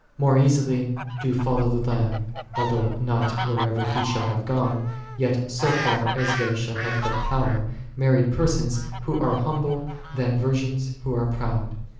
More easily do follow the Lamb, although not whithersoever He shall have gone, yet so far as they shall have had power, married persons who are humble, than virgins who are proud.